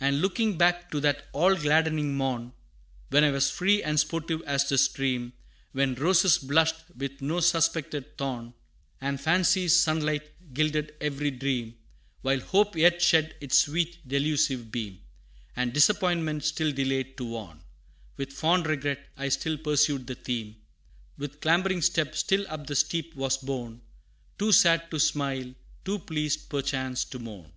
And looking back to that all gladdening morn, When I was free and sportive as the stream When roses blushed with no suspected thorn, And fancy's sunlight gilded every dream While hope yet shed its sweet delusive beam, And disappointment still delayed to warn With fond regret, I still pursued the theme With clambering step still up the steep was borne, Too sad to smile, too pleased perchance to mourn.